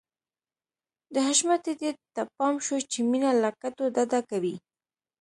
د حشمتي دې ته پام شو چې مينه له کتو ډډه کوي.